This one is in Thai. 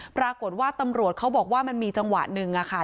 ปรากฏว่าตำรวจเขาบอกว่ามันมีจังหวะหนึ่งอะค่ะ